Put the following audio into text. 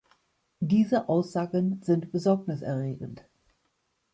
Diese Aussagen sind besorgniserregend.